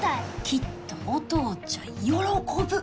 きっとお父ちゃん喜ぶ。